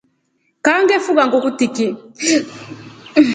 Kaa ngefuga nguku tiki.